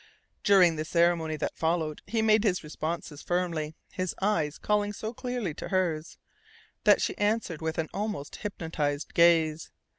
During the ceremony that followed he made his responses firmly, his eyes calling so clearly to hers that she answered with an almost hypnotized gaze.